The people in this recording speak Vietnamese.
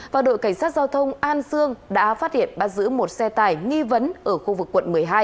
và đội cảnh sát giao thông an sương đã phát hiện bắt giữ một xe tải nghi vấn ở khu vực quận một mươi hai